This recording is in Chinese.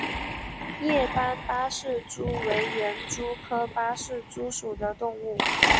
叶斑八氏蛛为园蛛科八氏蛛属的动物。